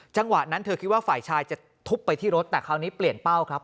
จังหวะนั้นเธอคิดว่าฝ่ายชายจะทุบไปที่รถแต่คราวนี้เปลี่ยนเป้าครับ